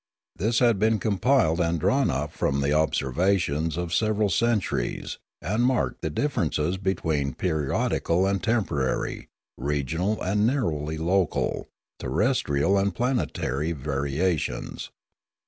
This had been compiled and drawn up from the observations of several centuries, and marked the differences between periodical and temporary, regional and narrowly local, terrestrial and planetary variations.